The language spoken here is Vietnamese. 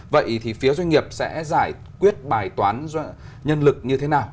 vậy thì phía doanh nghiệp sẽ giải quyết bài toán nhân lực như thế nào